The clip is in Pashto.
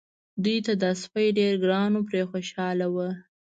دوی ته دا سپی ډېر ګران و پرې خوشاله وو.